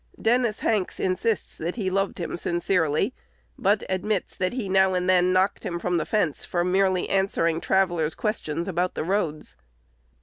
Dennis Hanks insists that he loved him sincerely, but admits that he now and then knocked him from the fence for merely answering traveller's questions about the roads.